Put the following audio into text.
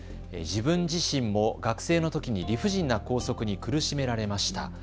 自分自身も学生のときに理不尽な校則に苦しめられました。